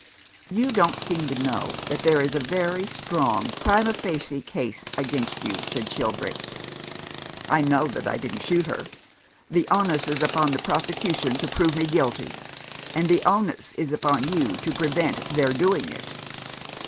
"You don't seem to know that there is a very strong primd facie case against you," said Chil brick. " I know that I didn't shoot her. The onus is upon the prosecution to prove me guilty." "And the onus is upon you to prevent their doing it."